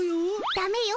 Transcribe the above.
ダメよ。